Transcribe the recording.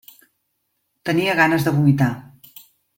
Tenia ganes de vomitar.